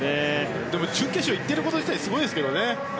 準決勝にいっていること自体すごいですけどね。